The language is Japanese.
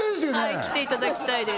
はい来ていただきたいです